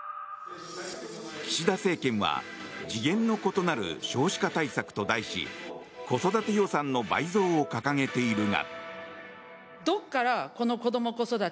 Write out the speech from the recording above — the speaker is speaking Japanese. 岸田政権は次元の異なる少子化対策と題し子育て予算の倍増を掲げているが。